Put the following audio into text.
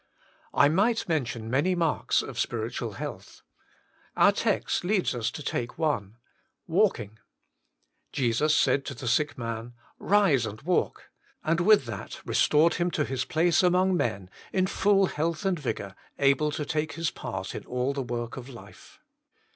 I might mention many marks of spiritual health. Our text leads us to take one, walking. Jesus said to the sick man, Eise and walk, and with that restored him to his place among men in full health and vigour, able to take his part in all the work of life.